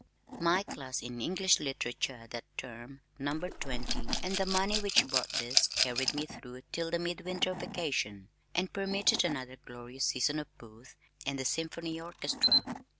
My class in English literature that term numbered twenty and the money which this brought carried me through till the mid winter vacation, and permitted another glorious season of Booth and the Symphony Orchestra.